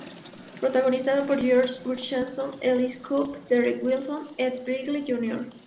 Protagonizada por Josh Hutcherson, Eliza Coupe, Derek Wilson, Ed Begley Jr.